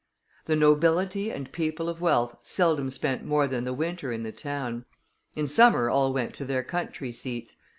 The nobility and people of wealth seldom spent more than the winter in the town. In summer all went to their country seats.